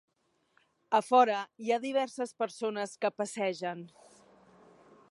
A fora, hi ha diverses persones que passegen.